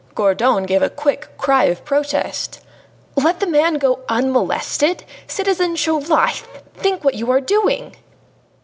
Gourdon gave a quick cry of protest. "Let the man go unmolested? Citizen Chauvelin, think what you are doing!"